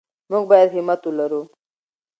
موږ باید همت ولرو.